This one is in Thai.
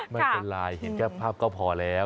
ไม่เป็นไรเห็นแค่ภาพก็พอแล้ว